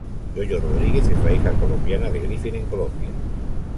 Yo-Yo Rodríguez es la hija colombiana de Griffin en Colombia.